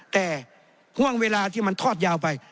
แต่ห่วงเวลาที่มันทอดยาวไป